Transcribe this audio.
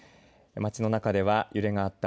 街の中では揺れがあった